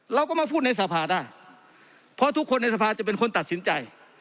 เราก็มาพูดในสภาได้เพราะทุกคนในสภาจะเป็นคนตัดสินใจ